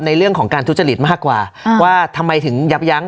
ในเรื่องของการทุจริตมากกว่าว่าทำไมถึงยับยั้ง